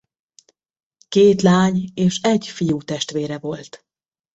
Két lány- és egy fiútestvére volt.